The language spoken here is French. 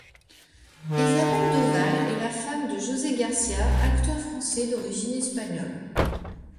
Isabelle Doval est la femme de José Garcia, acteur français d'origine espagnole.